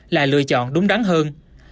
là lựa chọn đúng đắn hơn